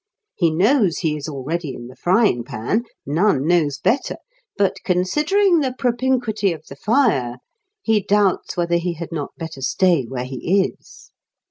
He knows he is already in the frying pan (none knows better), but, considering the propinquity of the fire, he doubts whether he had not better stay where he is.